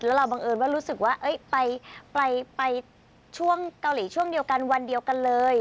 แล้วเราบังเอิญว่ารู้สึกว่าไปช่วงเกาหลีช่วงเดียวกันวันเดียวกันเลย